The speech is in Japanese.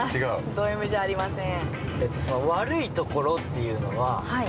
ドＭじゃありません。